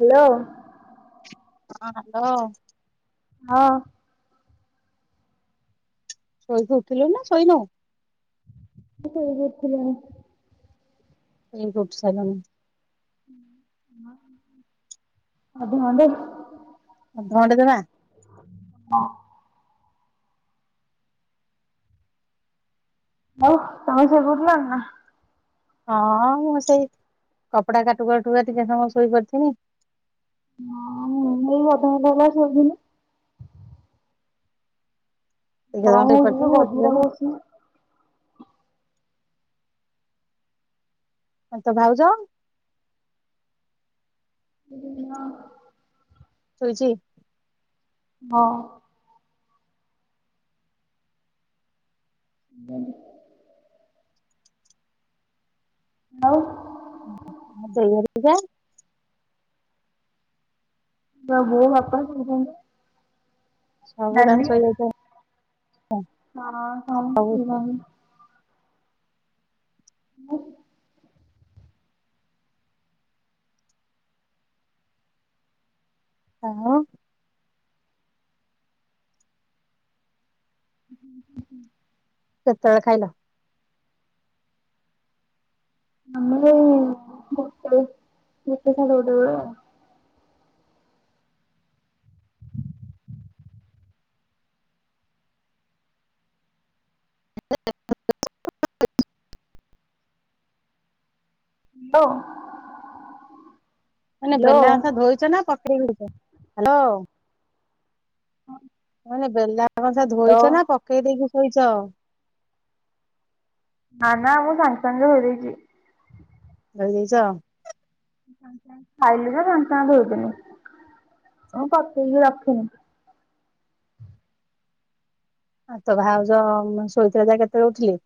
Hello. ହଁ hello. ହଁ। ଶୋଇକି ଉଠିଲୁଣି ନା ଶୋଇନୁ? ଶୋଇକି ଉଠିଲିଣି। [unintelligible] ଉଠି ସାରିଲିଣି। ଅଧ ଘଣ୍ଟା ଅଧ ଘଣ୍ଟେ ଜମା? [unintelligible] ଆଉ ତମେ ଶୋଇକି ଉଠିଲଣି ନା? ହଁ ମୁଁ ସେଇ କପଡା କାଟୁ କାଟୁ ରାତି ସମୟ ଶୋଇ ପଡିଥିନି। ହଁ ମୁଁ ବି ଏଇ ଅଧ ଘଣ୍ଟା ହେଲା ଶୋଇଥିଲି। ଟିକେ ସମୟ ଶୋଇ ପଡିଥିନି ଉଠିଲିଣି [unintelligible] ଅଂ ତୋ ଭାଉଜ? [unintelligible] ଶୋଇଚି? ହଁ। [unintelligible] ଆଉ ହଁ ମୁଁ ସେଇ ଘରକୁ ଯାଏ। ବା'ବୋଉ ବାପା ଶୋଇଛନ୍ତି। ସବୁ ନାନୀ ତାନ ଶୋଇଯାଇଛ ହଁ ସମସ୍ତେ ହଉ ଶୋଇଚନ୍ତି। ସବୁ ଆ, ହୋ। [inaudible] କେତଳେ ଖାଇଲ? ଆମର ଏଇ ଗୋଟେଳ ଗୋଟେ ସାଢେ ଗୋଟେ ବେଳେ ଆଉ। [inaudible] ହ୍ୟାଲୋ। ମାନେ ବେଲା ହ୍ୟାଲୋ କଂସା ଧୋଇଚ ନା ପକେଇ? [inaudible] ହାଲୋ। ମାନେ ବେଲା କଂସା ହ୍ୟାଲୋ ଧୋଇଛ ନା ପକେଇ ଦେଇକି ଶୋଇଚ? ନା ନା ମୁଁ ସାଙ୍ଗେ ସାଙ୍ଗେ ଧୋଇ ଦେଇଚି। ଧୋଇ ଦେଇଚ? ଖାଇଲି ଯଃ ସାଙ୍ଗ ସାଙ୍ଗ ଧୋଇଦେନି। ମୁଁ ପକେଇକି ରଖିନି। ଆଉ ତୋ ଭାଉଜ ଶୋଇଥିଲେ ଯା କେତେବେଳେ ଉଠିଲେ?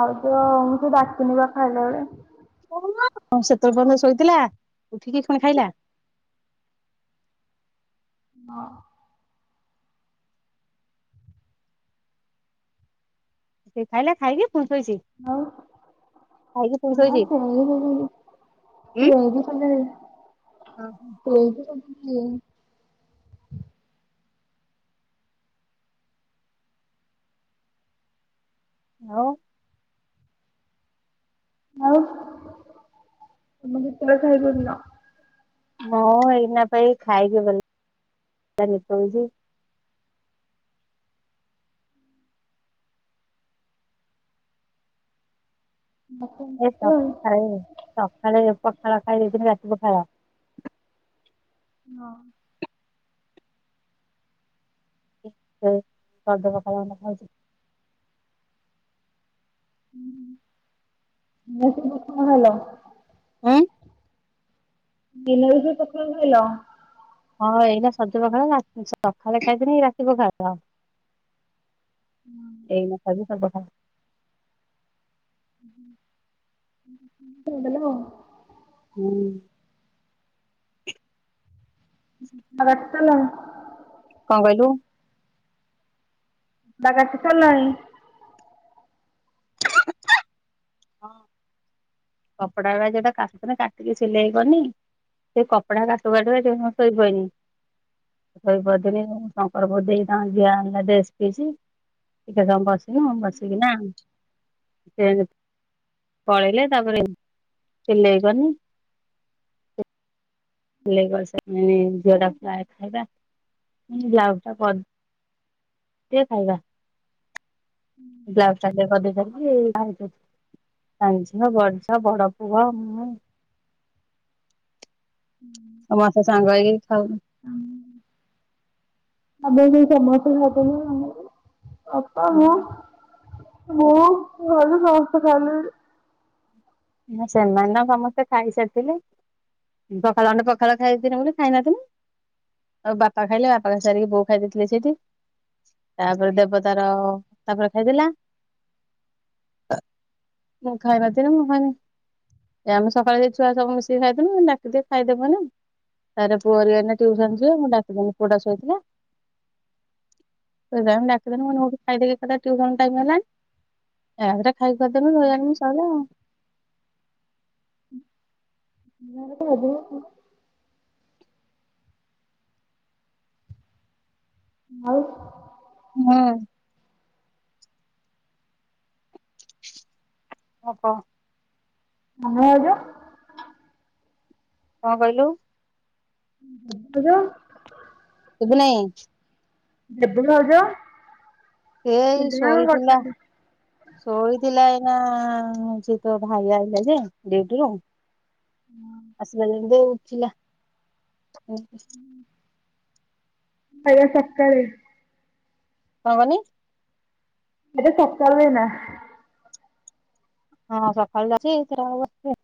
ଭାଉଜ ମୁଁ ସେ ଡାକିନି ବା ଖାଇଲା ବେଳେ। ହଁ ସେତେଳେ ପର୍ଯ୍ୟନ୍ତ ଶୋଇଥିଲା, ଉଠିକି ଫୁଣି ଖାଇଲା? ହଁ। ସିଏ ଖାଇଲା, ଖାଇକି ପୁଣି ଶୋଇଚି? ଆଉ। ହଁ ଶୋଇଛି ସବୁ ସନ୍ଧ୍ୟାରେ, ଉଁ। ସବୁ ସନ୍ଧ୍ୟାରେ। ଓହୋ ଏଇଠି ସବୁ କିଏ? ଆଉ ଆଉ [unintelligible] ହଁ ଏଇନା ପା ଏଇ ଖାଇକି ଗଲି, ନାନୀ ଶୋଇଚି। ଦଶଟା ଏ କେତେବେଳେ? ସଖାଳେ ସଖାଳେ ପଖାଳ ଖାଇ ଦେଇଥିନି ରାତି ପଖାଳ। ହଁ। ଏ ସଜ ପଖାଳ ଗଣ୍ଡେ ଖାଉଛି। ଆଜି [unintelligible] କଣ ଖାଇଲ? ଅଁ, ଦିନରେ ବି ସେଇ ପଖାଳ ଖାଇଲ? ହଁ ଏଇନା ସଜ ପଖାଳ ରାତି, ସଖାଳେ ଖାଇଥିନି ଏଇ ରାତିି ପଖାଳ ତ। ଏଇନା ଖାଇଲି ସଜ ପଖା ଫିଙ୍ଗି ଦେଲ? ହୁଁ। ଆଉ [unintelligible] କଣ କଇଲୁ? ଦା କାଟି ସାରଲଣି? ହଁ। କପଡା ଗୁଡା ଯେଟା କାଟୁଥୁନି କାଟିକି ସିଲେଇ କନି। ସେ କପଡା କାଟୁ କାଟୁ ଏଇଠି ମୁଁ ଶୋଇ ପାଇଲି। ଶୋଇପଡ଼ିଥିନି ଶଙ୍କର ଭେଦେଇ ଙ୍କ ଝିଅି ଆଣିଲା ଡ୍ରେସ ପିସ୍। ଟିକେ ସମୟ ବସିଲୁ ଫୁଣି ବସିକି ନା ସେ ପଳେଇଲେ। ତାପରେ ମୁଁ ସିଲେଇ କଲି। ସିଲେଇ କରିସାରିକି ଝିଅ ଡାକିଲା ଆ ଖାଇବା ମୁଁ କହିଲି ବ୍ଲାଉଜଟା କର ଦିଏ ଖାଇବା ବ୍ଲାଉଜ୍ଟା ସେଉଠୁ କରିଦେଇ ସାରିକି [inaudible] ସାନଝିଅ ବଡ ଝିଅ ବଡ ପୁଅ ମୁଁ। ସମସ୍ତେ ସାଙ୍ଗ ହେଇକି ଖାଉନୁ। [unintelligible] [unintelligible] ହଁ ସେମାନେ ତ ସମସ୍ତେ ଖାଇସାରିଥିଲେ। ମୁଁ ସକାଳେ ଗଣ୍ଡେ ପଖାଳ ଖାଇକି ରହିଲି ଖାଇନଥିଲି। ଆଉ ବାପା ଖାଇଲେ ବାପା ଖାଇ ସାରିକି ବୋଉ ଖାଇ ଦେଇଥିଲେ ସେଇଠି। ତାପରେ ଡେବ ତାର ତାପରେ ଖାଇଦେଲା। ମୋ ଖାଇବା ଥିଲା ମୁଁ ଖାଇମି। ଏ ଆମେ ସକାଳେ ସେଇ ଛୁଆସବୁ ମିଶିକି ଖାଇଥିନୁ ଡାକିଦିଏ ଖାଇ ଦବୁନୁ। ତା ରେ ପୁଅ ହେରିକା ଏଇନା ଟ୍ୟୁସନ ଯିବେ ମୁଁ ଡାକିଦେନି ପୁଅ ଟା ଶୋଇଥିଲା। ସେଇଥି ପାଇଁ ଡାକି ଦେଲି ମୁଁ କହିଲି ଖାଇ ଦେଇକି ଏକଡେ ରେ ଟିଉସନ ଟାଇମ୍ ହେଲାଣି ଏକାଥରେ ଖାଇକି। ଖାଇଦେମି ମଜା ମମି ସରିଲା। [unintelligible] ଆଉ। ହୁଁ। ହଁ କଅ। ଆଉ ଭାଉଜ। କଁ କଇଲୁ। ଭାଉଜ। ଶୁବୁ ନାଇ। ବେବି ଭାଉଜ। ସେ ଏଇ ଜେଜେମା କଣ ଶୋଇଥିଲା। କରୁଛନ୍ତି? ଶୋଇଥିଲା ଏଇନା ଯେ ତୋ ଭାଇ ଆଇଲା ଯେ ଡିଉଟିରୁ। ଆସିଲା ଜେମତି ଏଇ ଉଠଲା ଉଁ। ଖାଇବା ସକାଳେ। କଁ କହନି। ଏବେ ସକାଳୁ ଏଇନା। ହଁ ହଁ ସକାଳୁ‌ ଯାଉଛି ଏତେ ବେଳେ ହବ ଆସୁଛି।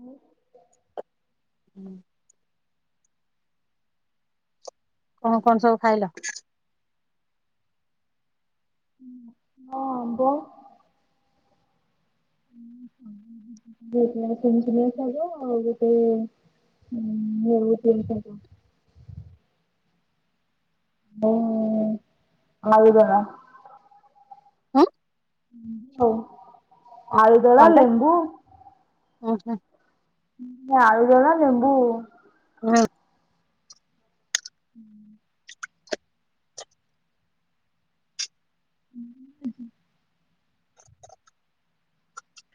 ହୁଁ। ହୁଁ। କଣ କଣ ସବୁ ଖାଇଲ। ମୋ ଆମ୍ବ। [inaudible] [inaudible] ମୁଁ ଆଉ ଦଳା। ହୁଁ। ଆଳୁଦଳା ଲେମ୍ବୁ। ଓହୋ। ହୁଁ ମୁଁ ଆଳୁ ଝୋଳ ଲେମ୍ବୁ ହଁ। ହୁଁ। ହୁଁ ଉଁହୁଁ।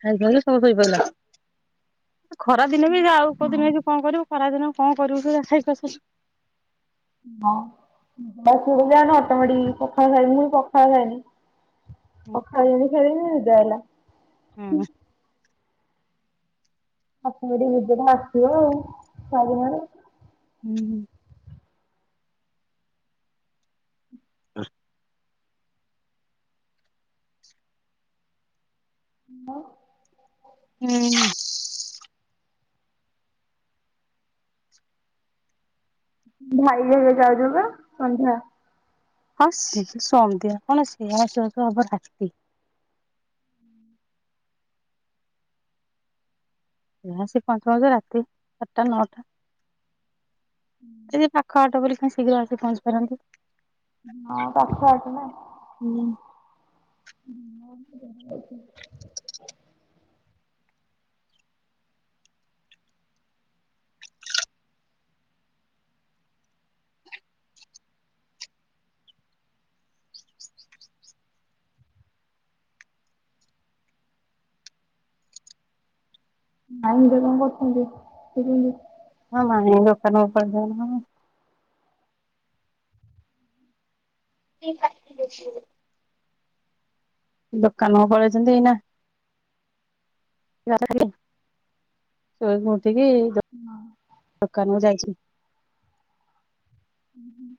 ଖାଇ ସାଇଲ ସବୁ ଶୋଇପଇଲ। ଏ ଖରା ଦିନେ ବି ଆଉ କୋଉ ଦିନେ ବି କଁ କରିବୁ ଖରାଦିନକୁ କଁ କରିବୁ ଯେ [unintelligible] ନ ବସିଯିବା ଭାତ ବାଢିକି ପଖାଳ ଖାଇବି ମୁଁ ପଖାଳ ଖାଇବି। ପଖାଳ ଯେମିତି ଖାଇଦେଲି ନିଦ ଆଇଲା। ହୁଁ। ଆ ପୁରୀ ନିଜେ କଁ ଆସିବ ଆଉ [unintelligible] ହୁଁ ହୁଁ। ଡଷ୍ ହାଲୋ। ହୁଁ। ଭାଇ ଏବେ ଯାଉ ଯାଉକା ସନ୍ଧ୍ୟା। ହଁ ସି ସି ସନ୍ଧ୍ୟା କଣ ସିଏ ଆସୁ ଆସୁ ହବ ରାତି। ଏ ଆସି ପହଞ୍ଚ ପହଞ୍ଚୁକା ରାତି ଆଟଟା ନଅଟା। ଏଇ ଯେ ପାଖ ବାଟ ବୋଲି କଁ ଶୀଘ୍ର ଆସି ପହଞ୍ଚିପାରନ୍ତି। ଉଁ ହୁଁ ହଁ ପାଖ ଆସୁନୁ। ହୁଁ। [inaudible] ମାଇଁ [unintelligible] କରୁଛନ୍ତି ଯେ ସେଇଠି ଆଉ କଣ ଏ ଦୋକାନରୁ ତ [unintelligible] [unintelligible] ଦୋକାନକୁ ପଳେଇଛନ୍ତି ଏଇନା। [unintelligible] ଶୋଇକି ଉଠିକି ଦୋ ଦୋକାନକୁ ଯାଇଛି। ହୁଁ ହୁଁ।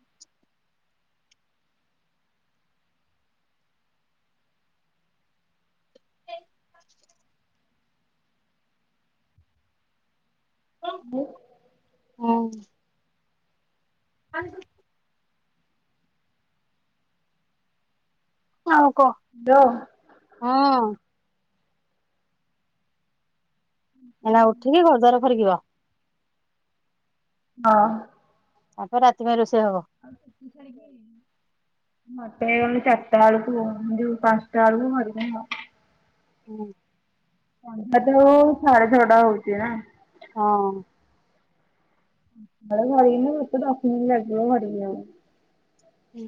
ହାଲୋ। ହଁ। [unintelligible] ଆଉ କ। [unintelligible] ହଁ। ଏଇନା ଉଠିକି ଘରଦ୍ୱାର ଖରିକିବ। ନ ତାପରେ ରାତି ପାଇଁଁ ରୋଷେଇ ହବ। ଆଉ ଟିକେ ଛାଡିକି ମତେ ଏଇ ଗଲେ ଚାରଟାଳୁକୁ ଉଁ ଯୋଉ ପାଂଶଟାଆଳୁକୁ [unintelligible] ହୁଁ। ସନ୍ଧ୍ୟା ତ ହଉ ହଉ ସାଡେ ଛଅଟା ହଉଚି ନା। ହଁ। ଘର ଝାଡିକିନା ମତେ ଦଶ ମିଣ୍ଟି ଲାଗିବ ଗାଧେଇକିନା ହୁଁ।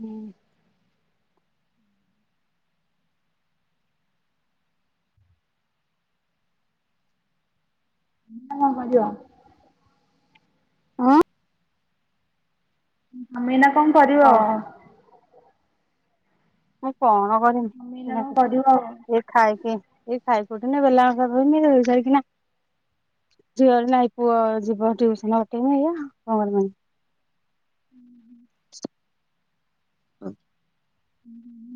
ହୁଁ [unintelligible] ଅଁ ଆଇନା କଣ କରିବ? ହଁ ମୁଁ କଣ ତମେ ଏଇନା କଣ କରିବ? କରିମି ଏ ଖାଇକି ଏ ଖାଇ କୋଉନି ବେଲଣା କଂସ ଧୋଇ କାଇଁକିନା ଝିଅର ନାଇଁ ପୁଅ ଯିବ ଟିଉସନ [unintelligible] ହୁଁ [unintelligible] ହଁ।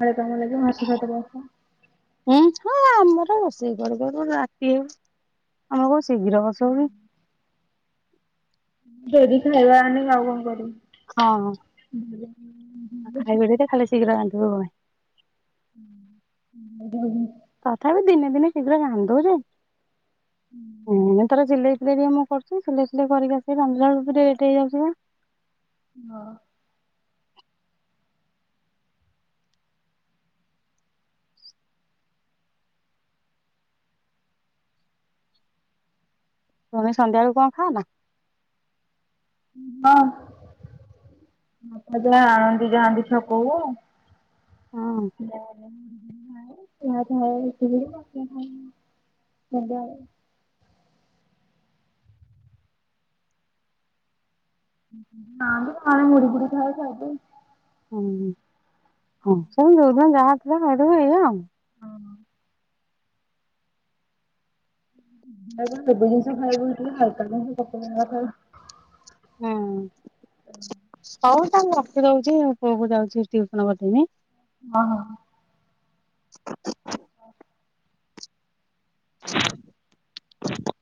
ମଳେ ତ କଣ ଲାଗିବ ହାତ ଫାତ ବସ। ଉଁ ହୁଁ ଆମର ରୋଷେଇ କରୁ କରୁ ରାତି। ଆଉ ଆମର କଣ ଶୀଘ୍ର ରୋଷେଇ ହୁଏ? ଡେରୀ ଖାଇବା ଆମେ ଆଉ କଣ କରିବୁ? ହଁ। [inaudible] ଆଉ ଖାଇବେନି ତ ଖାଇବା ଶୀଘ୍ର ରାନ୍ଧିବ କଣ ପାଇଁ। ବୁଝି ବୁଝି ତଥାପି ଦିନେ ଦିନେ ଶୀଘ୍ର ରାନ୍ଧୁ ଯେ ହୁଁ ତାର ସିଲେଇ ଫିଲେଇ ଟିକେ ମୁଁ କରୁଚି। ସିଲେଇ ଫିଲେଇ କରିକି ଆସି ରାନ୍ଧିଲା ବେଳକୁ ଲେଟ ହେଇଯାଉଚି ବା। ହଁ। ତମେ ସନ୍ଧ୍ୟା ବେଳକୁ କଣ ଖାଇଲ? ହଁ ବାପା ଯାହା ଆଣନ୍ତି ଯାଆନ୍ତି ଛକକୁ। ହଁ [inaudible] [inaudible] ଉଁ ହୁଁ ନା ମ ଆମେ ମୁଢି ଫୁଡି ଖାଉ ଖାଇଦଉ। ହୁଁ ହଁ ସେ ଯୋଉଦିନ ଯାହା ଥିଲା ଖାଇଦବ ଏଇଆ ଆଉ। ସବୁ ଜିନିଷ ଖାଇବା ବ ହାଲକା ଜିନିଷ [unintelligible] ହୁଁ ହଉ ତାହେଲେ ରଖି ଦଉଚି। ପୁଅକୁ ଯାଉଚି ଟିଉସନ ପଠେଇମି। ଓ ହ ହ। ଓ। ହ [unintelligible]